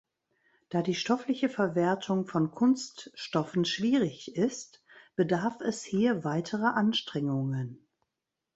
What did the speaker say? Da die stoffliche Verwertung von Kunststoffen schwierig ist, bedarf es hier weiterer Anstrengungen.